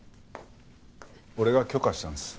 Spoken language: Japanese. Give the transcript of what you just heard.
俺が許可したんです。